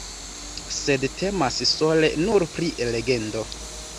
Sed temas sole nur pri legendo.